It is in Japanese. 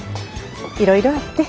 いろいろあって。